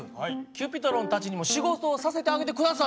Ｃｕｐｉｔｒｏｎたちにも仕事をさせてあげて下さいよ。